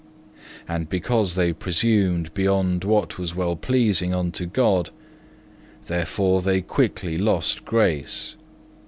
And because they presumed beyond what was well pleasing unto God, therefore they quickly lost grace.